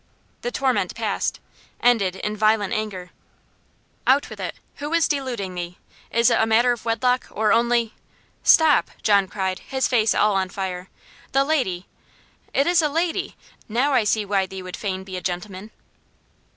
The torment passed ended in violent anger. "Out with it. Who is deluding thee? Is it a matter of wedlock, or only " "Stop!" John cried; his face all on fire. "The lady " "It is a 'lady'! Now I see why thee would fain be a gentleman."